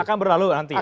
akan berlalu nanti ya